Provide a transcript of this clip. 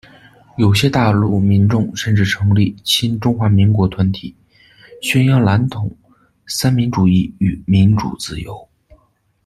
有些大陆民众甚至成立亲中华民国团体，宣扬蓝统、三民主义与民主自由。